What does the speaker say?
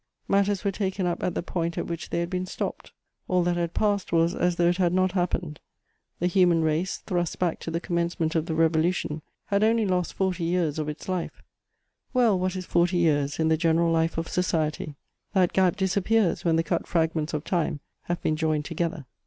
Matters were taken up at the point at which they had been stopped; all that had passed was as though it had not happened: the human race, thrust back to the commencement of the Revolution, had only lost forty years of its life; well, what is forty years in the general life of society? That gap disappears when the cut fragments of time have been joined together.